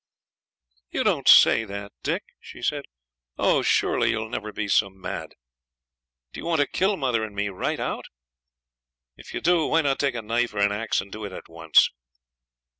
'You don't say that, Dick,' she said. 'Oh! surely you will never be so mad. Do you want to kill mother and me right out? If you do, why not take a knife or an axe and do it at once?